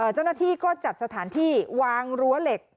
เจ้าหน้าที่ก็จัดสถานที่วางรั้วเหล็ก